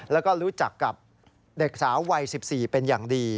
แล้วก็รู้จักกับเด็กสาววัย๑๔เป็นอย่างดี